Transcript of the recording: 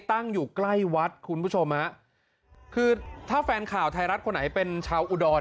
ตั้งอยู่ใกล้วัดคุณผู้ชมฮะคือถ้าแฟนข่าวไทยรัฐคนไหนเป็นชาวอุดร